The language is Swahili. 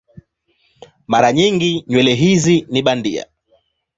Mara nyingi nywele hizi ni bandia.